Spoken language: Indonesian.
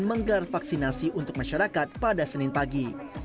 menggelar vaksinasi untuk masyarakat pada senin pagi